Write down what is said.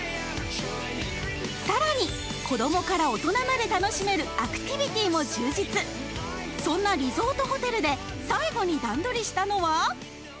さらに子どもから大人まで楽しめるアクティビティも充実そんなリゾートホテルで最後に段取りしたのは？